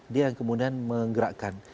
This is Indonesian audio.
dia yang kemudian menggerakkan